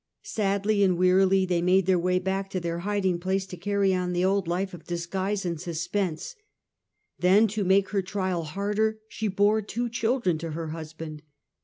Sadly and wearily they made their way back to their hiding place, to carry on the old life of disguise and of suspense. Then, to make her trial harder, she bore two children to her husband.